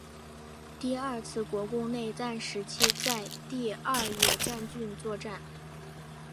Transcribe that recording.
第二次国共内战时期在第二野战军作战。